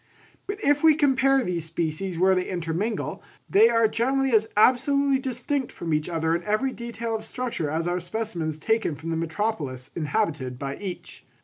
But if we compare these species where they intermingle, they are generally as absolutely distinct from each other in every detail of structure as are specimens taken from the metropolis inhabited by each.